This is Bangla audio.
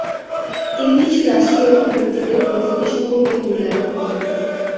তিনি কিছু রাষ্ট্রীয় কূটনৈতিকদের পরিস্থিতি সম্পর্কে মূল্যায়ন করতেন।